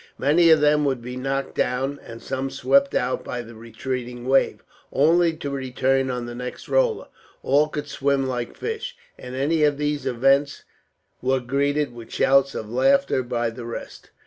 Many of them would be knocked down, and some swept out by the retreating wave, only to return on the next roller. All could swim like fish, and any of these events were greeted with shouts of laughter by the rest.